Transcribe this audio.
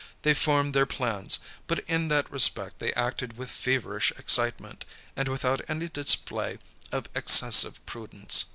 They formed their plans. But in that respect they acted with feverish excitement, and without any display of excessive prudence.